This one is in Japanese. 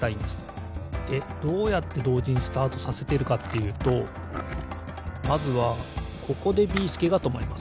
でどうやってどうじにスタートさせてるかっていうとまずはここでビーすけがとまります。